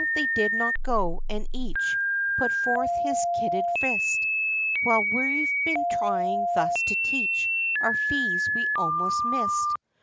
they did not go, and each, Put forth his kidded fist, "While we've been trying thus to teach, Our fees we almost missed!